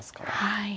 はい。